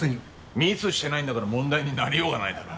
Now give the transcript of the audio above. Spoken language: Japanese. ミスしてないんだから問題になりようがないだろう。